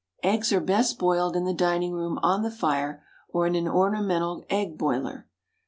Eggs are best boiled in the dining room on the fire, or in an ornamental egg boiler.